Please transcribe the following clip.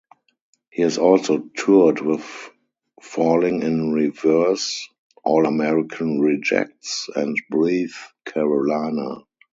He has also toured with Falling in Reverse, All American Rejects, and Breath Carolina.